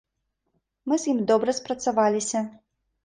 Мы з ім добра спрацаваліся.